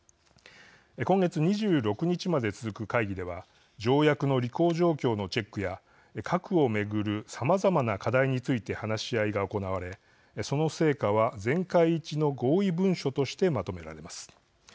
今月２６日まで続く会議では条約の履行状況のチェックや核を巡るさまざまな課題について話し合いが行われその成果は全会一致の合意文書としてまとめられます。